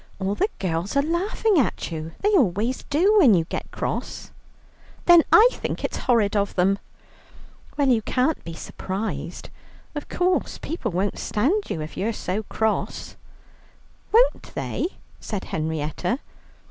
All the girls are laughing at you; they always do when you get cross." "Then I think it's horrid of them." "Well, you can't be surprised; of course people won't stand you, if you're so cross." "Won't they?" said Henrietta.